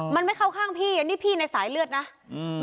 มันไม่เข้าข้างพี่อันนี้พี่ในสายเลือดนะอืม